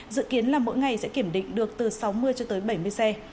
dự kiến là mỗi ngày sẽ kiểm định được từ sáu mươi cho tới bảy mươi xe